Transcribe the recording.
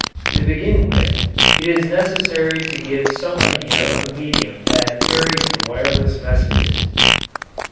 To begin with, it is necessary to give some idea of the medium that carries the wireless messages.